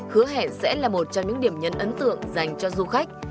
hứa hẹn sẽ là một trong những điểm nhấn ấn tượng dành cho du khách